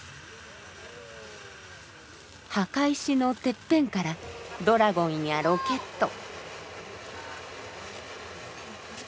墓石のてっぺんからドラゴンやロケット。